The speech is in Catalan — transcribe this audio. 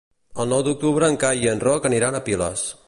El nou d'octubre en Cai i en Roc aniran a Piles.